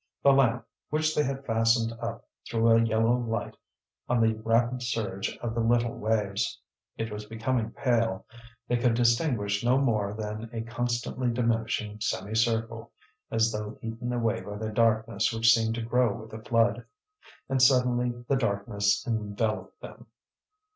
The lamp, which they had fastened up, threw a yellow light on the rapid surge of the little waves. It was becoming pale; they could distinguish no more than a constantly diminishing semicircle, as though eaten away by the darkness which seemed to grow with the flood; and suddenly the darkness enveloped them.